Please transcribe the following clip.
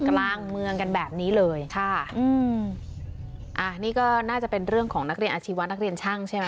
กลางเมืองกันแบบนี้เลยค่ะอืมอ่านี่ก็น่าจะเป็นเรื่องของนักเรียนอาชีวะนักเรียนช่างใช่ไหม